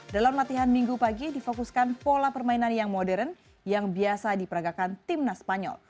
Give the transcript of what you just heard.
dalam latihan minggu pagi difokuskan pola permainan yang modern yang biasa diperagakan timnas spanyol